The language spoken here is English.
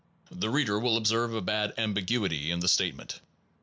The reader will observe a bad ambiguity in the statement.